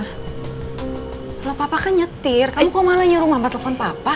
kalau papa kan nyetir kamu kok malah nyuruh mama telfon papa